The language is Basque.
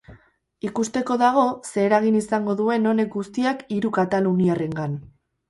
Ikusteko dago ze eragin izango duen honek guztiak hiru kataluniarrengan.